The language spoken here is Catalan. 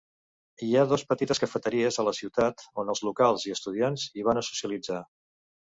Hi ha dos petites cafeteries a la ciutat on els locals i estudiants hi van a socialitzar.